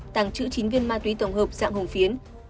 tàng trữ chín viên ma túy tổng hợp dạng hồng phiến